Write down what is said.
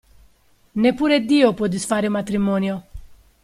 Neppure Dio può disfare un matrimonio!